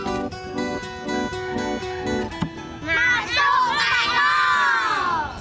masuk pak eko